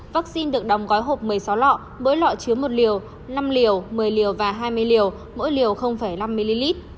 vaccine được đóng gói hộp một mươi sáu lọ mỗi lọ chứa một liều năm liều một mươi liều và hai mươi liều mỗi liều năm ml